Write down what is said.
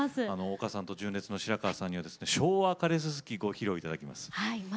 丘さんと純烈の白川さんには「昭和枯れすすき」をご披露いただきます。